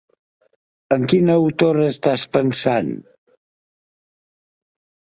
En quina autora estàs pensant?